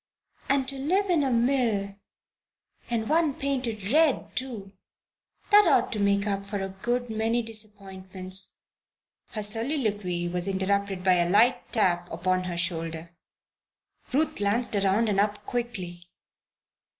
And to live in a mill and one painted red, too! That ought to make up for a good many disappointments " Her soliloquy was interrupted by a light tap upon her shoulder. Ruth glanced around and up quickly.